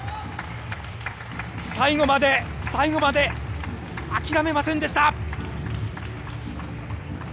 最後まで、最後まで諦めませんでした！